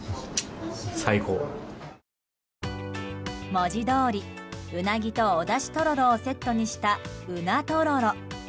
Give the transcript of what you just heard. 文字どおりウナギとお出汁とろろをセットにした、うなとろろ。